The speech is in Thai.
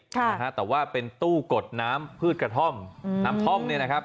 ค่ะนะฮะแต่ว่าเป็นตู้กดน้ำพืชกระท่อมอืมน้ำท่อมเนี่ยนะครับ